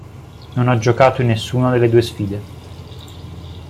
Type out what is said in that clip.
Non ha giocato in nessuna delle due sfide.